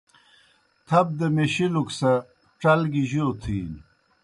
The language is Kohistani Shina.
تھپ دپ میشِلُک سہ ڇل گیْ جو تِھینوْ